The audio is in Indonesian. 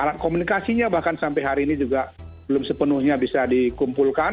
alat komunikasinya bahkan sampai hari ini juga belum sepenuhnya bisa dikumpulkan